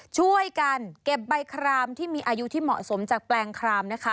ช่วยกันเก็บใบครามที่มีอายุที่เหมาะสมจากแปลงครามนะคะ